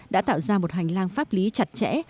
đã tạo ra một hành lang pháp lý chặt chẽ